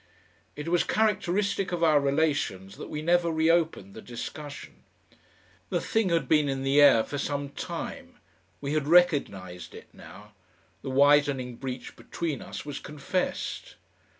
It was characteristic of our relations that we never reopened the discussion. The thing had been in the air for some time; we had recognised it now; the widening breach between us was confessed.